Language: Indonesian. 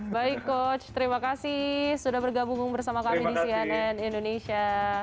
baik coach terima kasih sudah bergabung bersama kami di cnn indonesia